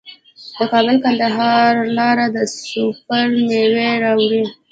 د کابل کندهار لاره د سویل میوې راوړي.